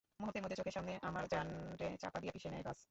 মুহূর্তের মধ্যে চোখের সামনে আমার জানরে চাপা দিয়া পিষে নেয় বাস।